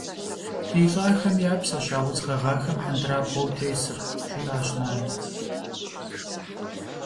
- Ди лӏахэм я псэщ а удз гъэгъахэм хьэндырабгъуэу тесыр, - жиӏащ нанэ.